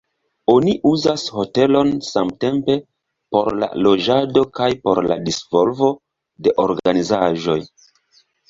Oni uzas hotelon samtempe por la loĝado kaj por la disvolvo de organizaĵoj.